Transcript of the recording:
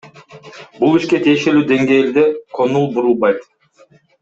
Бул ишке тиешелуу денгээлде конул бурулбайт.